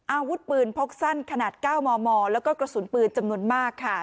อาวุธปืนพกสั้นขนาด๙มมแล้วก็กระสุนปืนจำนวนมากค่ะ